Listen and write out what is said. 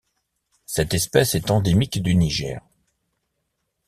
Cette espèce est endémique du Niger.